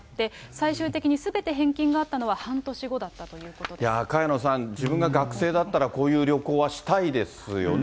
最終的にすべて返金があったのは、萱野さん、自分が学生だったら、こういう旅行はしたいですよね。